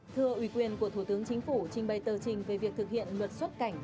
thưa ủy quyền của thủ tướng chính phủ trình bày tờ trình về việc thực hiện luật xuất cảnh